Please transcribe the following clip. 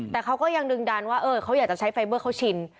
แต่เขาก็ยังดึงดันว่าเขาอยากจะใช้ไฟเบอร์เขาชิน